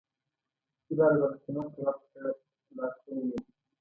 زه د ارزان قیمت طرف ته لاړ شوی یم.